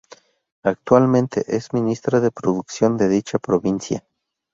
Actualmente es Ministra de Producción de dicha Provincia.